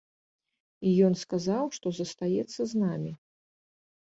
І ён сказаў, што застаецца з намі.